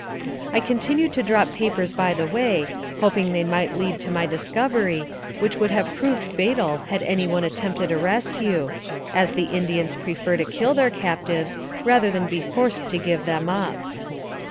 I continued to drop papers by the way, hoping they might lead to my discovery, which would have proved fatal had any one attempted a rescue, as the Indians prefer to kill their captives rather than be forced to give them up.